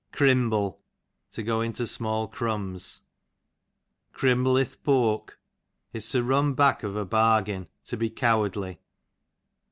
Crimble, to go into small crumbs. Crimble ith' poke, is to run back of a bargain, to be coicardly.